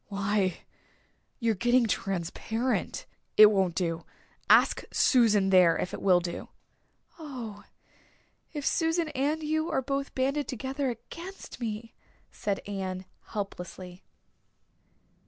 Why, you're getting transparent. It won't do ask Susan there if it will do." "Oh, if Susan and you are both banded together against me!" said Anne helplessly.